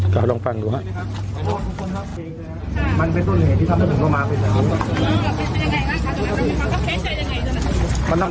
กล่าวลองฟังดูครับ